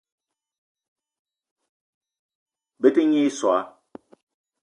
Bete nyi i soag.